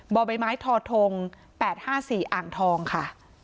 บ่อใบไม้ทอทง๘๕๔อ่างทองค่ะ